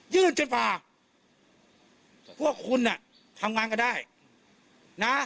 ยื่นไฟฟ้าพวกคุณน่ะทำงานก็ได้นะ